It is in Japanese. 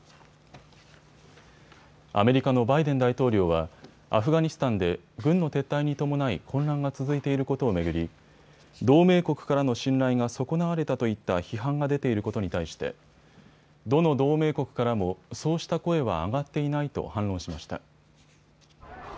アメリカのバイデン大統領は、アフガニスタンで軍の撤退に伴い混乱が続いていることを巡り同盟国からの信頼が損なわれたといった批判が出ていることに対してどの同盟国からも、そうした声は上がっていないと反論しました。